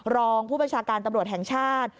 รองผู้บัญชาการตำรวจแห่งชาติ